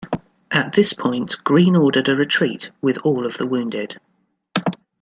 At this point, Greene ordered a retreat with all of the wounded.